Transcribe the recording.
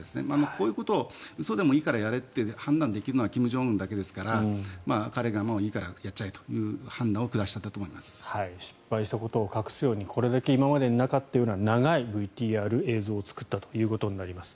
こういうことを嘘でもいいからやれと判断できるのは金正恩だけですから彼がもういいからやっちゃえという失敗したことを隠すようにこれだけ今までになかったようなＶＴＲ映像を作ったということになります。